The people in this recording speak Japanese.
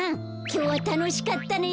きょうはたのしかったね。